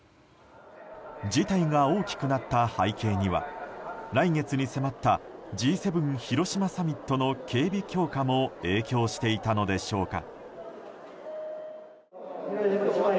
事態が大きくなった背景には来月に迫ったＧ７広島サミットの警備強化も影響していたのでしょうか。